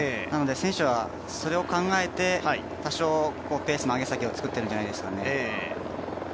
選手は、それを考えて、多少ペースの上げ下げを作っているんじゃないですかね。